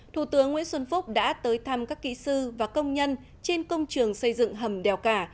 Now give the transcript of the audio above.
thủ tướng nguyễn xuân phúc đã tới thăm các kỹ sư và công nhân trên công trường xây dựng hầm đèo cả